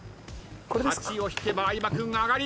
８を引けば相葉君上がり。